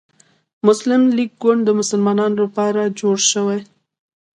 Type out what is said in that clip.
مسلم لیګ ګوند د مسلمانانو لپاره جوړ شو.